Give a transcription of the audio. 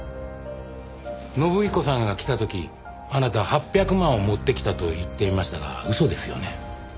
信彦さんが来た時あなた８００万を持ってきたと言っていましたが嘘ですよね？